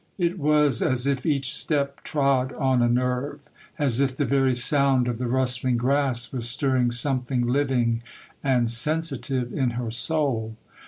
It was as if each step trod on a nerve,—as if the very sound of the rustling grass was stirring something living and sensitive in her soul.